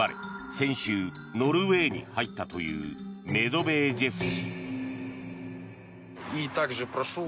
先週、ノルウェーに入ったというメドベージェフ氏。